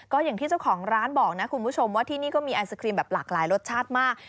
ก็อย่างที่เจ้าของร้านบอกนะคุณผู้ชมว่าที่นี่ก็มีไอศครีมแบบหลากหลายรสชาติมาก